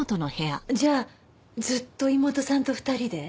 じゃあずっと妹さんと２人で？